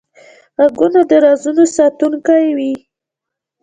غوږونه د رازونو ساتونکی وي